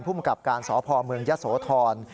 ผู้มันกลับการสอป๋อเมืองแย๊ศโษธร